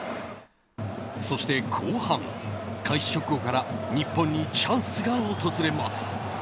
そして後半、開始直後から日本にチャンスが訪れます。